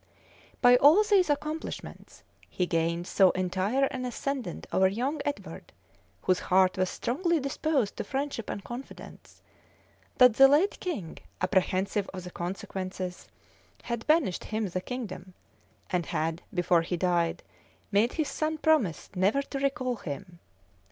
By all these accomplishments, he gained so entire an ascendant over young Edward, whose heart was strongly disposed to friendship and confidence, that the late king, apprehensive of the consequences, had banished him the kingdom, and had, before he died, made his son promise never to recall him.